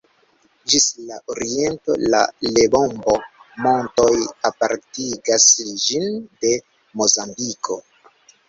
Ĝis la oriento la Lebombo-Montoj apartigas ĝin de Mozambiko.